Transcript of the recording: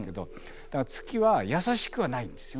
だから月は易しくはないんですよ。